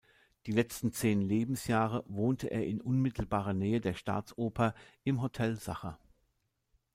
Die letzten zehn Lebensjahre wohnte er in unmittelbarer Nähe der Staatsoper im Hotel Sacher.